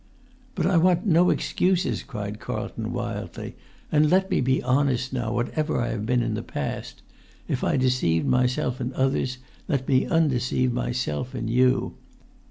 "But I want no excuses!" cried Carlton, wildly. "And let me be honest now, whatever I have been in the past; if I deceived myself and others, let me undeceive myself and you!